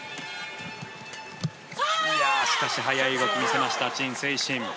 しかし、速い動きを見せましたチン・セイシン。